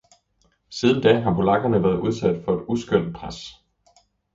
Siden da har polakkerne været udsat for et uskønt pres.